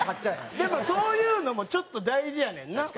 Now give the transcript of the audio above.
でもそういうのもちょっと大事やねんな。